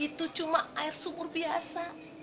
itu cuma air sumur biasa